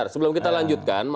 sebelum kita lanjutkan